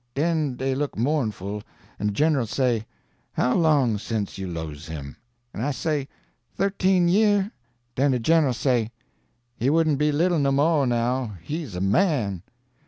Den dey look mournful, an' de Gen'l says, 'How long sence you los' him?' an' I say, 'Thirteen year.' Den de Gen'l say, 'He wouldn't be little no mo' now he's a man!'